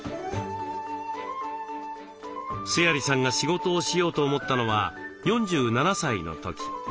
須鑓さんが仕事をしようと思ったのは４７歳の時。